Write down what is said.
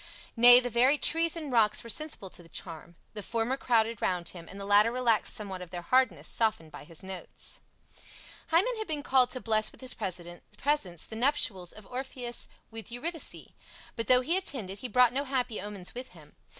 Nay, the very trees and rocks were sensible to the charm. The former crowded round him and the latter relaxed somewhat of their hardness, softened by his notes. Hymen had been called to bless with his presence the nuptials of Orpheus with Eurydice; but though he attended, he brought no happy omens with him.